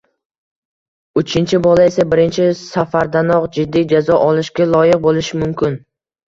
uchinchi bola esa birinchi safardanoq jiddiy jazo olishga loyiq bo‘lishi mumkin.